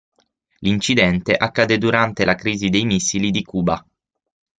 L'incidente accadde durante la crisi dei missili di Cuba.